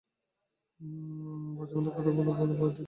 বাজুবন্ধর কথা ভুলো না বউদিদি।